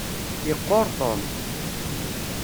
Yeqquṛ Tom.